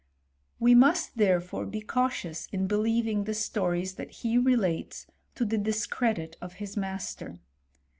We must therefore be cautious in believing the stories that he relates to the discredit of his master.